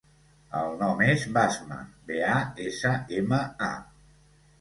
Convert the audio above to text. El nom és Basma: be, a, essa, ema, a.